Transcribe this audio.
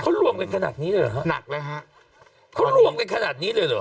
เขารวมกันขนาดนี้เลยเหรอฮะหนักเลยฮะเขารวมกันขนาดนี้เลยเหรอ